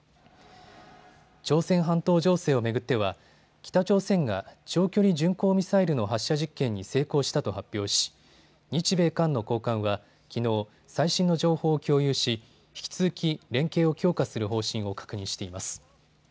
朝鮮半島情勢を巡っては北朝鮮が長距離巡航ミサイルの発射実験に成功したと発表し日米韓の高官は、きのう最新の情報を共有し引き続き連携を強化する方針を確認しています。